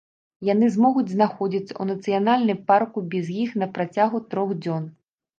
Яны змогуць знаходзіцца ў нацыянальны парку без іх на працягу трох дзён.